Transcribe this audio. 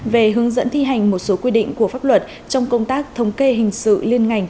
về hướng dẫn thi hành một số quy định của pháp luật trong công tác thống kê hình sự liên ngành